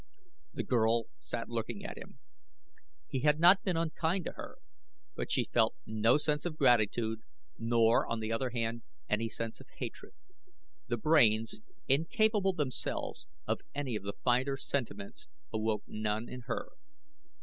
The girl sat looking at him. He had not been unkind to her, but she felt no sense of gratitude, nor, on the other hand, any sense of hatred. The brains, incapable themselves of any of the finer sentiments, awoke none in her.